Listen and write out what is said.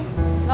gak mau nikah